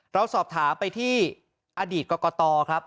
เราสอบถามไปที่อดีตกรกตครับ